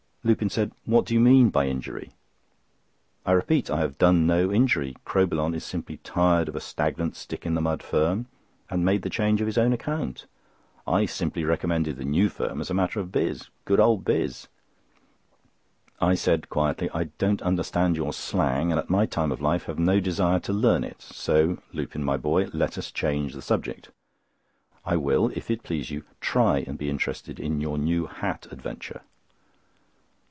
Lupin said: "What do you mean by injury? I repeat, I have done no injury. Crowbillon is simply tired of a stagnant stick in the mud firm, and made the change on his own account. I simply recommended the new firm as a matter of biz—good old biz!" I said quietly: "I don't understand your slang, and at my time of life have no desire to learn it; so, Lupin, my boy, let us change the subject. I will, if it please you, try and be interested in your new hat adventure."